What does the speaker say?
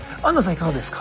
いかがですか。